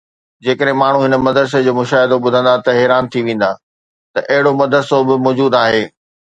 جيڪڏهن ماڻهو هن مدرسي جو مشاهدو ٻڌندا ته حيران ٿي ويندا ته اهڙو مدرسو به موجود آهي.